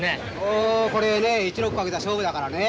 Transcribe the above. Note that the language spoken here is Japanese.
あこれね一六賭けた勝負だからね